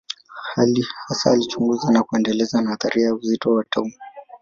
Hasa alichunguza na kuendeleza nadharia ya uzito wa atomu.